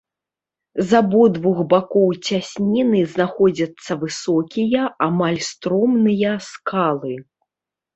З абодвух бакоў цясніны знаходзяцца высокія, амаль стромыя, скалы.